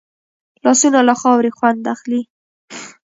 لاسونه له خاورې خوند اخلي